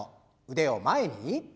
腕を前に。